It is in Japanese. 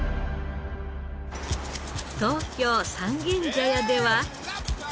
東京三軒茶屋では。